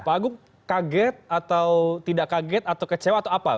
pak agung kaget atau tidak kaget atau kecewa atau apa